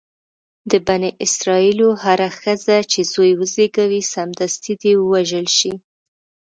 د بني اسرایلو هره ښځه چې زوی وزېږوي سمدستي دې ووژل شي.